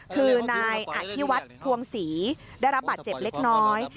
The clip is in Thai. คือนายอธิวัฒน์ภวงศรีได้รับบาดเจ็บเล็กน้อย